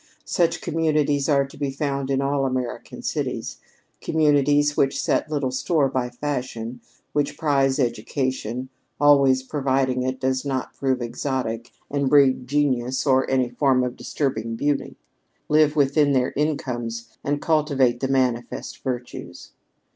Such communities are to be found in all American cities; communities which set little store by fashion, which prize education (always providing it does not prove exotic and breed genius or any form of disturbing beauty), live within their incomes and cultivate the manifest virtues.